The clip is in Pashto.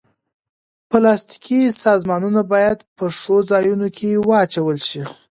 پلاستيکي سامانونه باید په ښو ځایونو کې واچول شي.